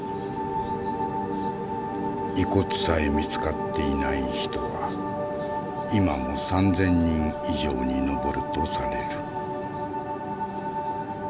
遺骨さえ見つかっていない人は今も３，０００人以上に上るとされる。